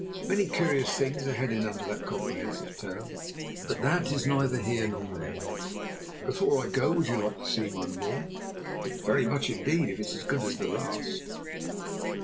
Many curious things are hidden under that comprehensive term. But that is neither here nor there. Before I go would you like to see one more?" "Very much, indeed, if it's as good as the last!"